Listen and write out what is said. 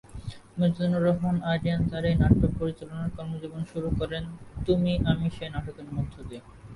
মিজানুর রহমান আরিয়ান তার এই নাট্য পরিচালনার কর্মজীবন শুরু করেন "তুমি আমি সে" নাটকের মধ্য দিয়ে।